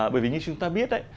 bởi vì như chúng ta biết ấy